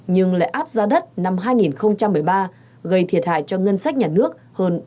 nhưng lại áp giá đất năm hai nghìn một mươi ba gây thiệt hại cho ngân sách nhà nước hơn bảy mươi tỷ đồng